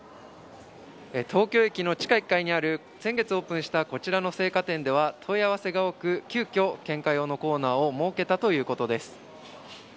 東京駅の地下１階にある先月オープンしたこちらの生花店では問い合わせが多く、急きょ献花用のコーナーを設けたということです。